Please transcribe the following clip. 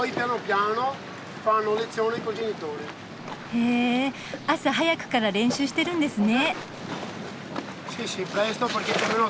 へえ朝早くから練習してるんですね。